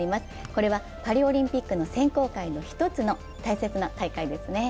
これはパリオリンピックの選考会の一つの大切な大会ですね。